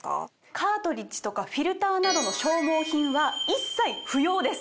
カートリッジとかフィルターなどの消耗品は一切不要です。